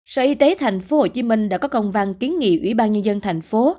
sở y tế thành phố hồ chí minh đã có công văn kiến nghị ủy ban nhân dân thành phố